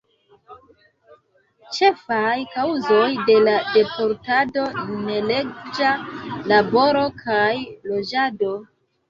Ĉefaj kaŭzoj de la deportado: neleĝa laboro kaj loĝado.